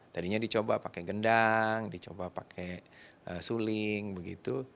tadinya dicoba pakai gendang dicoba pakai suling begitu